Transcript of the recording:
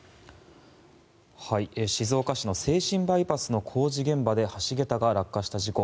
静岡市の静清バイパスの工事現場で橋桁が落下した事故。